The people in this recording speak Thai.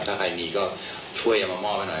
ถ้าใครมีก็ช่วยดังมาพอไหนดี